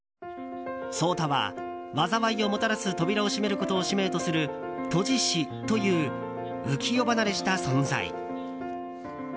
草太は災いをもたらす扉を閉めることを使命とする閉じ師という浮世離れした存在。